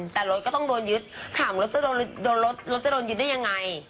แต่รถก็ต้องโดนยึดถามรถจะโดนรถรถจะโดนยึดได้ยังไง